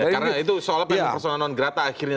karena itu seolah olah persona non grata akhirnya